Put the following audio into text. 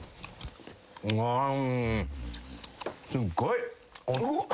すっごい。